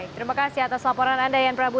terima kasih atas laporan anda yan prabu